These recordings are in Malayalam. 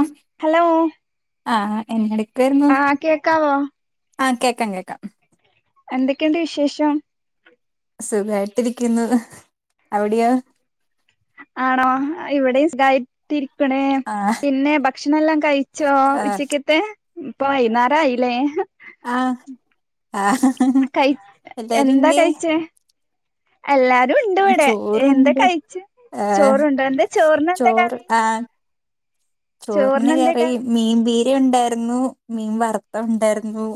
അസ് ഹലോ ആഹ് എന്ത് ഇട്ക്കായിരുന്നു ആ കേക്കാവോ ആഹ് കേക്കാം കേക്കാം ഉം എന്തെക്കെ ഇണ്ട് വിശേഷം സുഖായിട്ടിരിക്കുന്നു അവിടെയോ ആണോ ഇവിടെയും സുഖായി ട്ട്‌രിക്ക്ണ് ആഹ് പിന്നെ ഭക്ഷണം എല്ലാം കഴിച്ചോ ആഹ് ഉച്ചെക്കെത്തെ ഉം ഇപ്പൊ വെയ്ന്നാരായില്ലേ ആഹ് ആഹ് ആഹ് കയ്ച്ച്ട്ട്ല്ലാ എല്ലാരും എന്താ എന്തേ കഴിച്ചേ എല്ലാരും ഉണ്ട് ഇവടെ എന്താ ചോറുണ്ട് കഴിച്ച് ആഹ് ചോറുണ്ട് എന്താ ചോറിന് എന്താ ചോറ് കറി ആഹ് ചോറിന് കറി മീൻപീര ഉണ്ടായിരുന്നു മീൻ വറുത്തെ ഉണ്ടായിരുന്നു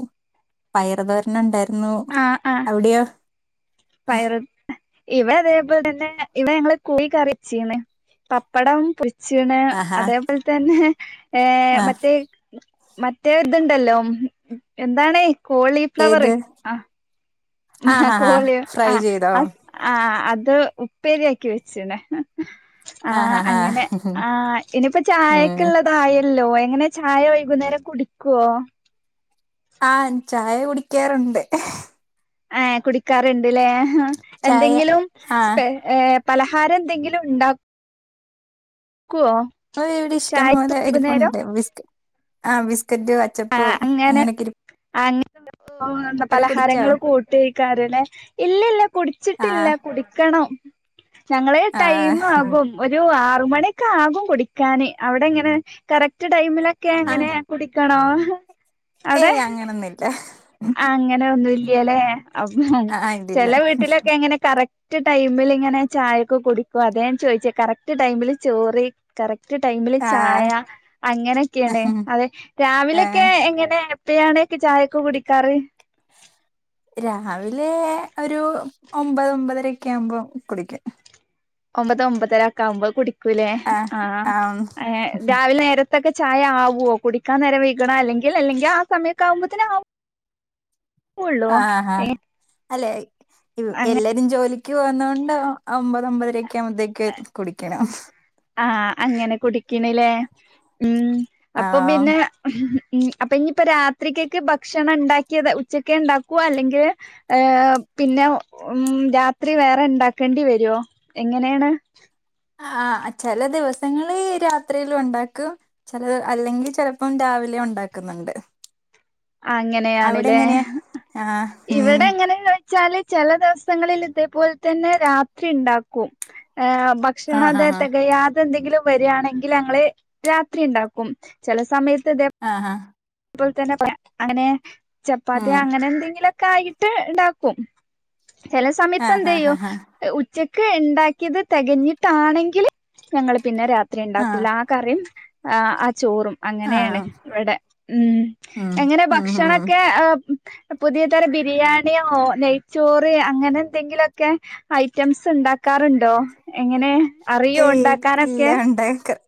പയറ്തോരൻ ഉണ്ടായിര് ന്നു ആ ആ അവ്ടെയോ പയറ് ഹ് ഇവ അതേപോലെ തന്നെ ഇവ ഞങ്ങള് കോയി കറി ച്ചീന്ന് പപ്പടം പൊര്ച്ച്ണ് ആഹാ അതേപോൽ തന്നെ ഏഹ് ആഹ് മറ്റേഹ് മറ്റേ ഇത്‌ ഇണ്ടല്ലോ ഉം ഉം എന്താണ് കോളിഫ്ലവറ് ഏത് ഇഹ് ആഹ് ആഹാഹാ കോളിയോ ഫ്രൈ ആഹ് ചെയ്തോ ആ സ് ആഹ് അത് ഉപ്പേരിയാക്കി വെച്ച്ണ് ഇഹ് ആഹ് ആഹാഹാ അങ്ങനെ ആഹ് ഇനി ഇപ്പൊ ഉം ചായക്ക്‌ള്ളത് തായല്ലോ എങ്ങനെ ചായ വൈകുന്നേരം കുടിക്കോ ആഹ് ചായ കുടിക്കാറുണ്ട് ഏഹ് കുടിക്കാറ് ഇണ്ട്ല്ലേ ഏഹ് ചായ എന്തെങ്കിലും ആഹ് സ്പെ ഏഹ് പലഹാരെന്തെങ്കിലും ഇണ്ടാ ക്കോ അത് ഇവിടി ഇഷ്ടംപോലെ ഇരിപ്പുണ്ട് ബിസ്ക് ആഹ് ബിസ്ക്കറ്റ് അച്ചപ്പോം അങ്ങനെഒക്കെ ഇരി ആഹ് അങ്ങൻത്തെ എന്തെ [unintelligible] ന്ത കുടിച്ചോ പലഹാരങ്ങള് കൂട്ടി വിക്കാരലേ ഇല്ലില്ല ആ കുടിച്ചിട്ടില്ല കുടിക്കണം ഞങ്ങളെ ആ റ്റൈം ആകും ഒരു ആറ് മണിക്കാകും കുടിക്കാന് അവിടെ എങ്ങനെ കറക്റ്റ് ടൈമിലൊക്കെ ആ എങ്ങനെ കുടിക്കണോ അവിടെ ഏയ് അങ്ങനൊന്നില്ല അങ്ങനെ ഒന്നുല്ലേല്ലേ അവ് ആ ഇല്ലില്ല ചെല വീട്ടിലൊക്കെ അങ്ങനെ കറക് റ്റ് ടൈമില് ഇങ്ങനെ ചായൊക്കെ കുടിക്കും അത ഞാൻ ചോദിച്ചെ കറക്റ്റ് ടൈമിൽ ചോറി കറ ക്റ്റ് ടൈമില് ആ ചായ അങ്ങനൊക്കെയാണ് അതെ ഏ രാവിലെക്കെ എങ്ങനെ പിയാണേക്ക് ചായൊക്ക് കുടിക്കാറ് രാവിലെ ഒരു ഒമ്പത് ഒമ്പതരെക്കെ ആവുമ്പോ കുടിക്കും ഒമ്പത് ഒമ്പതരക്കാവുമ്പോ കുടിക്കൂലേ ആ ആഹ് ആ ഏഹ് രാവിലെ നേര അത്തൊക്കെ ചായ ആവോ കുടിക്കാൻ നേര വൈക്ക്ണ അല്ലെങ്കിൽ അല്ലെങ്കി ആഹ് സമയൊക്കെ ആവുമ്പോത്തേനാവു ആഹ് ആഹ് ഏഹ് അല്ലെ വ് അങ്ങ എല്ലരും ജോലി ക്ക് പോനോണ്ട് ഒ ഒമ്പതൊമ്പതരെക്കെ ആവുമ്പത്തേക്ക് കുടിക്കണം ആഹ് അങ്ങനെ കുടിക്കണിലേ ഉം അപ്പം ആ പിന്നെ ഇഞ്ഞ് അപ്പൊ ഇനിപ്പോ രാത്രിയ്ക്കെക്കെ ഭക്ഷണണ്ടാക്കിത് ഉച്ചക്കെ ഉണ്ടാക്കുവോ അല്ലെങ്കിൽ ഏയ് പിന്നെ ഉം രാത്രി വേറെ ഇണ്ടാക്കേണ്ടി വെരോ എങ്ങനെണ് ആഹ് ചെല ദിവസങ്ങളി രാത്രിലുണ്ടാക്കും ചെലത് അല്ലെങ്കി ചെലപ്പം രാവിലെ ഒണ്ടാക്ക്ന്ന്ണ്ട് അങ്ങനെയാണ്ലേ ആഹ് ഉം ഇവിടെ ഇങ്ങനെ യ് ച്ചാല് ചെല ദിവസങ്ങളില് ഇതേപോലെ തന്നെ രാത്രി ണ്ടാക്കും ഏഹ് ഭ ക്ഷെണ ആഹ് ദെ ആഹ് തെകയാ ഇതെന്തെങ്കിലും വരാണെങ്കില് ങ്ങള് രാത്രി ഇണ്ടാക്കും ചെല സമയത്ത് ഇതേ ആഹ് ഹാ ഇപ്പോൾ തന്നെ അങ്ങനെ ചപ്പാത്തിയാ ഉം അങ്ങനെന്തെങ്കിലൊക്കെ ആയിട്ട് ഇണ്ടാക്കും ചെല ആഹ് ആഹ് സമത്തെന്തേയ്യും ആഹ് ഉ ച്ചക്ക് ഇണ്ടാക്കിത് തെകഞ്ഞിട്ടാണെങ്കില് ഞങ്ങള് പിന്നെ രാത്രി ആഹ് ഇണ്ടാക്കുലാ കറിം ആഹ് ആ ചോറും അങ്ങനെണ് ആഹ് ഇവടെ ഉം ഉം എങ്ങനെ ഉം ഉം ഭക്ഷണൊക്കെ പുതിയ തര ബിരിയാണിയോ നെയ്ച്ചോറ് അങ്ങനെന്തെങ്കിലൊക്കെ ഐറ്റംസ് ഇണ്ടാക്കാറ്ണ്ടോ എങ്ങനെ അറിയോ ഉണ്ടാക്കാനൊക്കെ ബേക്കർ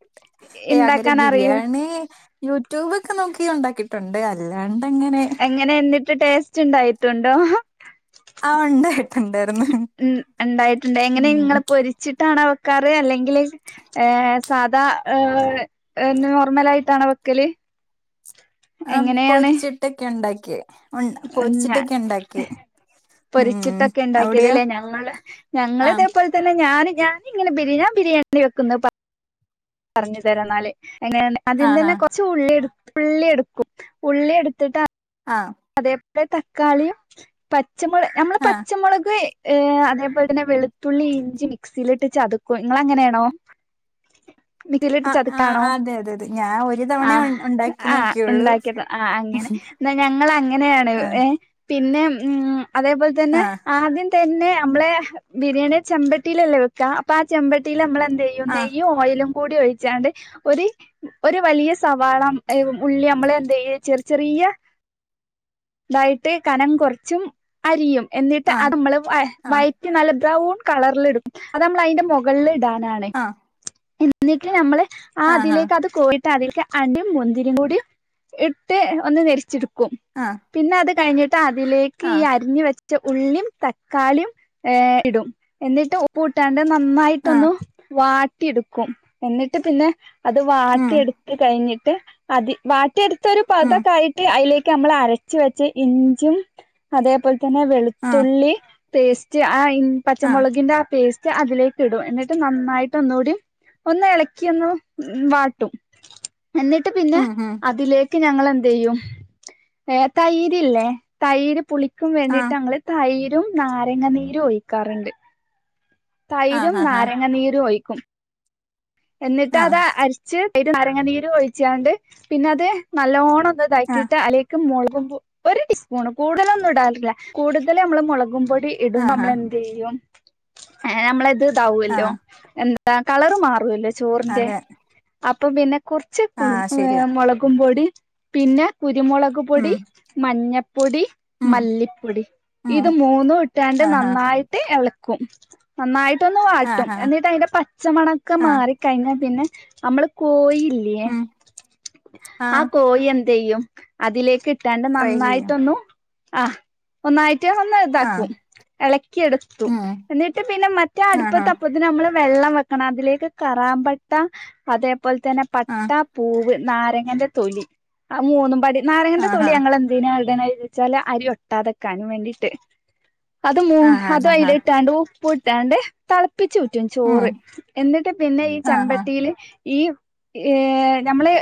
ഏഹ് അങ്ങനെ ഉണ്ടാക്കാൻ അറിയോ ബിരിയാണി യൂട്യൂബ് ഒക്കെ നോക്കി ഉണ്ടാക്കി ട്ടുണ്ട് അല്ലാണ്ടങ്ങനെ എങ്ങനെ എന്നിട്ട് ടേസ്റ്റ് ഉണ്ടായിട്ടുണ്ടോ ആഹ് ഉണ്ടായിട്ടുണ്ടായിരുന്നു ഉം ഒണ്ടായിട്ടുണ്ട് ഉം എങ്ങനെങ്ങള് പൊരി ചിട്ടാണോ വെക്കാറ് അല്ലെങ്കില് ഏഹ് സാധാ നോർമലായിട്ടാണോ വെക്കല് ആഹ് എങ്ങനെയാണ് പൊരിച്ചിട്ടൊക്കെ ഇണ്ടാക്യാ ഞ പൊരിച്ചിട്ടൊക്കെ ഉണ്ടാക്യാ പൊരിച്ചിട്ടൊക്കെ ഉണ്ടാക്കിയത്ത്ല്ലേ ഞങ്ങള് ഞങ്ങള് ആഹ് ഇതേ പോലെ തന്നെ ഞാന് ഞാന് ഇങ്ങനെ ബിരിയാ ബിരിയാണി വെക്കുന്ന പ പറഞ്ഞ് തരന്നാല് എങ്ങനെയ ആദ്യം ആഹാ തന്നെ കൊച്ച് ഉള്ളിട് ഉള്ളിട്ക്കും ഉള്ളി എട്ത്ത്ട്ടാ ആഹ് അതേപോലെ തക്കാളിയും പച്ചമു നമ്മള് ആഹ് പച്ചമുളക് ഏഹ് അതേപോൽ തന്നെ വെളുത്തുള്ളി, ഇഞ്ചി മിക്സിൽയിട്ട് ചതക്കും ഇങ്ങളങ്ങനെണോ? മിക്സിയിലിട്ട് ആഹ് ആഹ് ചതക്കാണോ അതെ അതെ അതെ ഞാൻ ഒരു തവണ ഉ ആഹ് ഉണ്ടാക്കി ആഹ് നോക്കിയുള്ളൂ ഇണ്ടാ ക്യക്ക ആഹ് അങ്ങനെ ന്ന ഞ ങ്ങളങ്ങന്യാണ് ആഹ് എഹ് പിന്നെ ഉം അതേപോൽ തെന്നെ ആഹ് ആദ്യം തന്നെ അമ്മളെ ബിരിയാണി ചെമ്പട്ടിയിലല്ലേ വെക്കാ അപ്പൊ ആ ചെമ്പട്ടിയിലമ്മളെന്തെയ്യും നെയ്യ് ഓയിലും കൂടി ഒഴിച്ചാണ്ട് ഒരു ഒരു വലിയ സവാള ഉള്ളി അമ്മളെന്തെയ്യും ചെറി ചെറിയ ഇതായിട്ട് കനം കൊർച്ചും അരിയും എന്നിട്ട് ആഹ് അത് നമ്മള് വ ആഹ് വയ റ്റി നല്ല ബ്രൗൺ കളറില്ടും അത് അമ്മളയിന്റെ മൊകൾള്ടാനാണ്. ആഹ് എന്നിട്ട് നമ്മള് ആ ആഹ് ആഹാ തിലേക്ക് അത് കോഴി ട്ട അതില്ക്ക് അണ്ടിം മുന്തിരിം കൂടി ഇട്ട് ഒന്ന് നെര്ച്ച്ട്ക്കും ആഹ് പിന്നെ അത് കഴിഞ്ഞിട്ട് അതിലേക്ക് ഈ ആഹ് അരിഞ്ഞ് വെ ച്ച ഉള്ളിം തക്കാളിം ഏഹ് ഇടും എന്നിട്ട് ഉപ്പൂട്ടാണ്ട് ആഹ് നന്നായിട്ടൊന്ന് വാട്ടിട്ക്കും എന്നിട്ട് പിന്നെ അത് ഉം വാട്ട്യെട്ത്ത് കഴിഞ്ഞിട്ട് അതി വാട്ട്യെട്‌ത്തൊര് ഉം പതൊക്കായിട്ട് അയ്ലേക്ക് അമ്മളരച്ച് വെച്ച ഇഞ്ചും അതേപോൽ തെന്നെ ആഹ് വെളുത്തുള്ളി പേസ്റ്റ്, ആ ഇൻ പച്ച ആഹ് മൊളകിന്റെ ആ പേസ്റ്റ് അതിലേക്ക് ഇടും എന്നിട്ട് നന്നായിട്ട് ഒന്നൂടിം ഒന്നെളക്ക്യൊന്ന് ഉം വാട്ടും എന്നിട്ട് പിന്നെ ഉം ഉം അതിലേക്ക് ഞങ്ങളെന്തെയ്യും ഏഹ് തൈര് ല്ലേ തൈര് പുളിക്കും വേണ്ടിട്ട് ആഹ് ഞങ്ങള് തൈരും നാരങ്ങനീരും ഒഴിക്കാറ്ണ്ട്. തൈരും ആഹാഹാ നാരങ്ങനീരും ഒഴിക്കും എന്നിട്ട് ആഹ് അത് അരിച്ച് തൈരും നാരങ്ങ നീരൊഴിച്ചാണ്ട് പിന്നെ അത് നല്ലോണൊന്ന് ആഹ് താകിട്ട് അയിലേ ക്ക് മൊളകും പൊ ഒര് ടീസ്പൂൺ കൂടുതലൊന്നുടാല്ല കൂടുതലമ്മള് മൊളകും പൊടി ഇടുമ്പോ ആഹാ അമ്മളെന്തെയ്യും ഏഹ് അമ്മളെ ത് ഇതാവൊല്ലോ ആഹ് എന്താ കളറ് മാ റൂലെ ചോറിന്റെ അതെ അപ്പൊ പിന്നെ കൊർച്ച് കു ആഹ് ശരിയാ ഏഹ് മൊള ക്കും പൊടി പിന്നെ കുരുമുളക് പൊടി, ഉം മഞ്ഞപ്പൊടി ഉം മല്ലിപ്പൊടി ഉം ഇത് മൂന്നും ഇട്ടാണ്ട് ആഹാ നന്നായിട്ട് എളക്കും. നന്നായിട്ടൊന്ന് വാട്ടും ആഹാ എന്നിട്ട് അയ്ന്റെ പച്ചമണൊക്കെ ആഹ് മാറി കഴിഞ്ഞ പിന്നെ അമ്മള് കോയില്ലേ ല്ലേ ഉം ആ ആഹ് കോയി എന്തെയ്യും അതിലേക്ക് ട്ടാണ്ട് ഫ്രൈ ചെയ്യും നന്നായിട്ടൊന്നു ആഹ് ഒന്നായിട്ട് ഒന്ന് ആഹ് താകും എളക്കി എടുത്തു ഉം എന്നിട്ട് പിന്നെ മറ്റേ ആഹാ അട്പ്പത്ത ഇതിനമ്മള് വെള്ളം വെക്കണം അതിലേക്ക് കറാമ്പട്ട അതേപോൽ തെന്നെ പട്ട ആഹ് പൂവ്, നാരങ്ങന്റെ തൊലി ആ മൂന്നും പാടെ നാരങ്ങന്റെ തൊലി ആഹാ ഞങ്ങളെ ന്തിനാ ഇടണ് വെച്ചാല് അരി ഒട്ടാതെക്കാനും വേണ്ടീട്ട് അത് മൂ ആഹാഹാ അതയ്ല്ട്ടാണ്ട് ഉപ്പുട്ടാണ്ട് തളപ്പിച്ചൂറ്റും ഉം ചോറ് എന്നിട്ട് പിന്നെ ഈ ആഹാ ചമ്പട്ടി ക്ക്ല് ഈ ഏഹ് നമ്മള്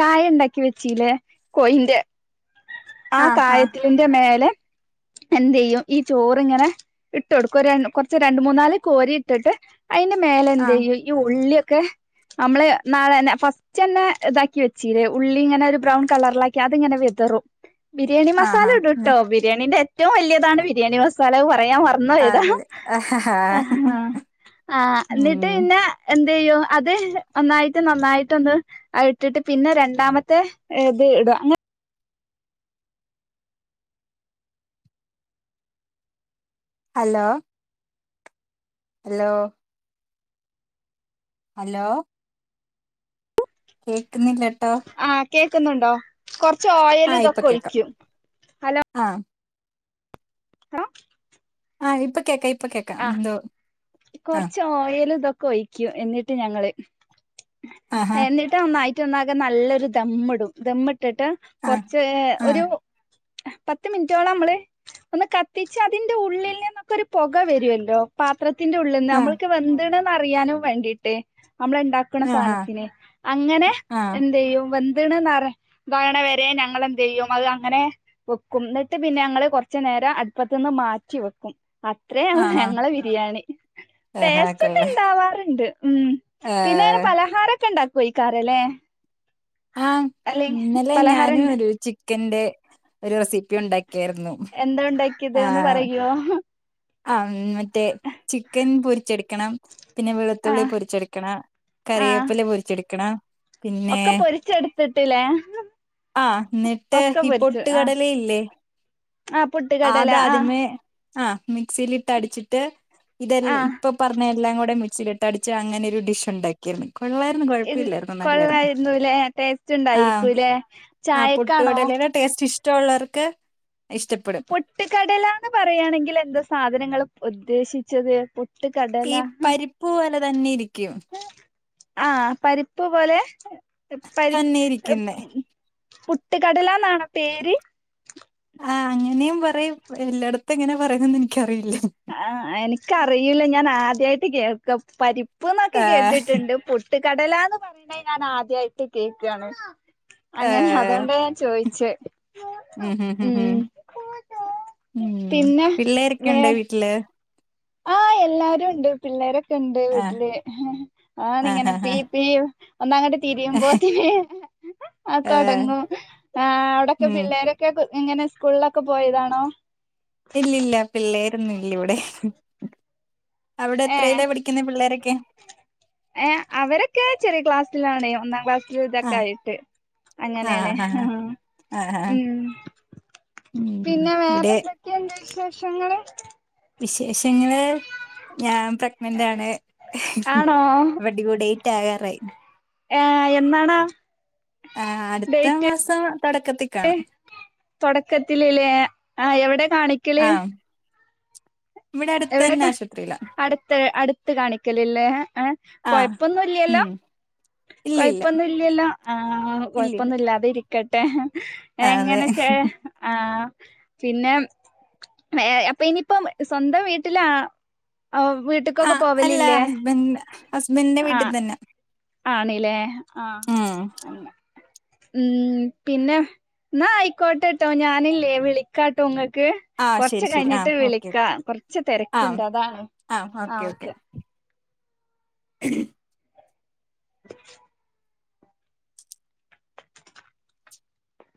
കായ ഉണ്ടാക്കി വെച്ച്‌ലെ കോയിന്റെ ആ ആഹാ കായത്തിന്റെ മേലെ എന്തെയ്യും ഈ ചോറ്ങ്ങനെ ഇട്ട് കൊടുക്കും ഒര് [unintelligible] കൊർച്ച് രണ്ട് മൂന്നാല് കോരി ട്ട്ട്ട് അയ്ന്റെ മേലെന്തെ ആഹ് യ്യും ഈ ഉള്ള്യക്കെ നമ്മള് [unintelligible] ഫസ് റ്റെന്നെ ഇതാക്കി വെച്ചീല്ലേ ഉള്ളി ങ്ങനെ ഒരു ബ്രൗൺ കളറിലാക്കി അതിങ്ങനെ വിതറും ബിരിയാണി മസാല ആഹാ ന്ന് ഇടുട്ടോ ബിരിയാണിന്റെ ഏറ്റവും വലിയതാണ് ബിരിയാണി മസാല പറയാൻ പറന്നു ഇന്നാടാ അല്ല ആഹ് ഉം പിന്നെ എന്ത ചെയ്യോ അത് ഒന്നായിട്ട് നന്നായിട്ടൊന്ന് അ ഇട്ടിട്ട് പിന്നെ രണ്ടാമത്തെ ഇത് ഇടും അങ്ങനെ ഹലോ ഹലോ ഹലോ കേൾക്കുന്നില്ല ആഹ് കേക്കുന്നുണ്ടോ കൊറച്ച് ഓയൽ ആഹ് ഇപ്പൊ ഇതൊക്കെ കേക്കാം ഒഴിക്കും ആഹ് എടാ ആഹ് ഇപ്പൊ കേക്ക ഇപ്പൊ കേൾക്ക എന്തോ ആഹ് കൊറച്ച് ഓയൽ ഇതൊക്കെ ഒഴിക്കും എന്നിട്ട് ഞങ്ങള് ആഹാ എന്നിട്ട് ഇട്ട ഒന്നായിട്ട ഒന്നകെ നല്ലൊരു ദമ്മ ഇടും ദമ്മ് ഇട്ടിട്ട് ആഹ് കൊറച്ച് ഒരു ആഹ് പത്ത് മിനിറ്റോളം നമ്മള് ഒന്ന് കത്തിച്ച് അതിന്റെ ഉള്ളിൽ നിന്നൊക്കെ ഒരു പുക വരുവല്ലോ പാത്രത്തിന്റെ ഉള്ളിൽന്ന് ആഹ് നമ്മൾക്ക് വെന്ത്ണന്ന്റിയാനും വേണ്ടീട്ട് നമ്മൾണ്ടാക്ക ണ്ടാക്കണ ആഹാ സാധനത്തിനെ അങ്ങനെ ആഹ് എന്ത ചെയ്യോ വെന്ന്ത്ണെന്നറ താകണ വരെ ഞങ്ങളെന്ത് ചെയ്യും അത് അങ്ങനെ വെക്കും എന്നിട്ട് പിന്നെ ഞങ്ങള് കൊറച്ച നേരം അടുപ്പത്തു നിന്ന് മാറ്റി വെക്കും ഇത്രയാണ് ആഹാ ഞങ്ങളെ ബിരിയാണി ആഹാ ടേസ്റ്റ് ഒക്കെ കൊള്ളാം ഇണ്ടാവാറുണ്ട് ഉം പിന്നെങ്ങനെ ഏഹ് പലഹാരംഒക്കെ ഉണ്ടാക്കുയിക്കാരല്ലേ ആഹ് ഇന്നലെ പലഹാരം ഞാനും ഒരു ചിക്കന്റെ ഒരു റെസിപ്പി ഉണ്ടാക്കിയായിരുന്നു എന്താ ഉണ്ടാക്കിയത് ഒന്ന് പറയോ അം മറ്റേ ചിക്കൻ പൊരിച്ചെടുക്കണം പിന്നെ വെളുത്തുള്ളി ആഹ് പൊരിച്ചെടുക്കണ ആഹ് കറിവേപ്പില പൊരിച്ചെടുക്കണ ഒക്കെ പൊരിച്ചെടുത്തിട്ടില്ലേ ആ ന്നിട്ട് ഒക്കെ ഈ പൊരിച്ചു ആഹ് പൊട്ടുകടലയില്ലേ ആഹ് പൊട്ടുകടല അതാ ആഹ് അദ്യമേ ആഹ് മിക്സിലിട്ട് അടിച്ചിട്ട് ഇതെ ആഹ് ഇപ്പൊ പറഞ്ഞ എല്ലാം കൂടെ മിക്സിയിലിട്ട് ട്ടടിച്ച് അങ്ങനെ ഒരു ഡിഷ് ഉണ്ടാക്കിരുന്നു കൊള്ള ഇത് കുഴപ്പല്ലായിരുന്നു നല്ലായിരുന്നു കൊള്ളായിരുന്നുല്ലേ ടേസ്റ്റ് ഉണ്ടായിരിക്കൂല്ലേ ആ ചായക്കാണോ പൊട്ടകടലെടെ ടേസ്റ്റ് ഇഷ്ടമുള്ളവർക്ക് ഇഷ്ടപ്പെ പൊട്ടുകടല എന്ന് പറയുകയാണെങ്കിൽ എന്താ സാധനങ്ങൾ ഉദ്ദേശിച്ചത് ഈ പൊട്ടുകടല പരിപ്പ് പോലെ തന്നെ ഇരിക്കും ആ പരിപ്പ് പോലെ പരിപ്പ് തന്നെ ഇരിക്കുന്നേ പുട്ട്ക്കടലാന്നാണോ പേര് ആ അങ്ങനെയും പറയും എല്ലായിടത്തും എങ്ങനെ പറയന്ന് എനിക്കറിയില്ല ആ എനിക്കറിയില്ല ഞാൻ ആദ്യായിട്ട് കേക്ക പരിപ്പ്ന്നൊക്കെ ആഹ് കേട്ടിട്ടുണ്ട് പുട്ട് പുട്ടകടലന്ന് പറയണ ഞാൻ ആദ്യായിട്ട് കേൾക്കയാണ് അങ്ങനെ ആഹ് അതൊണ്ട ഞാൻ ചോയിച്ച ഉം ഹും ഹും ഹും ഉം ഉം പിന്നെ വേ പിള്ളേരൊക്കെുണ്ടോ വീട്ടില് ആഹ് എല്ലാരും ഉണ്ട് പിള്ളേരൊക്കെ ഉണ്ട് ആഹ് വീട്ടില് ആഹ് ഓനിങ്ങനെ ആഹ് പ്പി പ്പി ഒന്ന അങ്ങോട്ട് ആഹ് തിരിയുമ്പോത്തിന ആഹ് തുടങ്ങും ആ അവിടെൊക്കെ ഉം പിള്ളേര ഒ ഇങ്ങനെ സ്കൂളിലൊക്കെ പോയതാണോ ഇല്ലല്ല പിള്ളേരൊന്നും ഇല്ല ഇവിടെ അവിടെ ഏഹ് എത്രയിലാ പഠിക്കുന്നെ പിള്ളേരൊക്കെ ഏഹ് അവരൊക്കെ ചെറിയ ക്ലാസ്സിലാണ് ഒന്നാം ക്ലാസ് ഇ ഇതൊക്കെ ആഹ് ആയിട്ട് ആഹ് അങ്ങനെയാണ് ആഹ് ആഹ് ആഹ് ഉം ഉം ഇവിടെ എന്താ വിശേഷങ്ങള് വിശേഷങ്ങള് ഞാൻ പ്രഗ്നന്റ് ആണ് ആണോ ഡെയിറ്റാകാറായി ഏഹ് എന്നാണ് ആഹ് അടുത്ത മാസം തുടക്കത്തിക്കാണും തുടക്കത്തിലില്ലേ ആഹ് എവിടെ കാണി ആഹ് ഇവിടെ അടുത്ത് എവിടെ തന്നെ കാണി ആശുപത്രിയിലാ അടുത്ത അടുത്ത് കാണിക്കലല്ലേ ഏഹ് ആഹ് കുഴപ്പൊന്നുംല്ലല്ലോ ഉം ഇല്ലില്ല കുഴപ്പൊന്നും ഇല്ലല്ലോ ആഹാ ഇല്ലില്ല കുഴപ്പൊന്നും ഇല്ലാതെ ഇരി ക്കട്ടെ ആ, അതെ എങ്ങനെ ചേ ആഹ് പിന്നെ അപ്പൊ ഇനി സ്വന്തം വീട്ടിലാ വീട്ട്ക്കൊക്കെ പോവലില്ലേ ഹസ്ബന്റിന്റെ വീട്ടിൽ തന്നെയാ ആണ് ല്ലേ ആഹ് ഉം ഉം പിന്നെ എന്നാ ആയിക്കോട്ടെട്ടോ ഞാനില്ലേ വിളിക്കാട്ടോ ഇങ്ങൾക്ക് ആഹ് ശരി കൊറച്ച് ശരി കഴിഞ്ഞിട്ട് ആഹ് ഓക്കെ വിളിക്കാ ഓക്കെ കൊറച്ച് ആഹ് തിരക്കുണ്ട് അതാണ് ആഹ് ഓക്കെ. [unintelligible] [unintelligible]